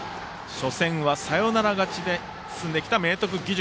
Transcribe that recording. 初戦はサヨナラ勝ちで進んできた明徳義塾。